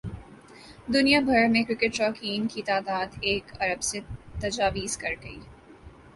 دنیا بھر میں کرکٹ شائقین کی تعداد ایک ارب سے تجاوز کر گئی